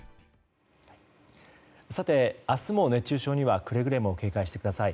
明日も熱中症にはくれぐれも警戒してください。